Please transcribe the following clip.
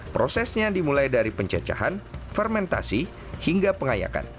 prosesnya dimulai dari pencecahan fermentasi hingga pengayakan